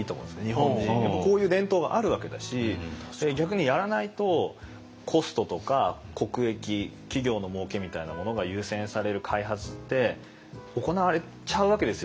日本もこういう伝統があるわけだし逆にやらないとコストとか国益企業のもうけみたいなものが優先される開発って行われちゃうわけですよ。